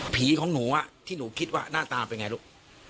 ของหนูที่หนูคิดว่าหน้าตาเป็นไงลูก